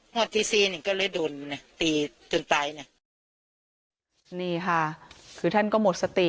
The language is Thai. ที่สี่นี่ก็เลยโดนนะตีจนตายน่ะนี่ค่ะคือท่านก็หมดสติ